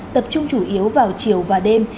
tập trung chủ yếu vào chiều và đêm